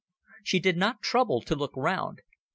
She did not trouble to look round.